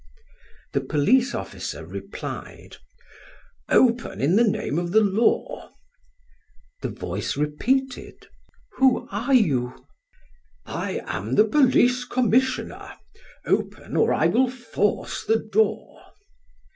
The police officer replied: "Open in the name of the law." The voice repeated: "Who are you?" "I am the police commissioner. Open, or I will force the door."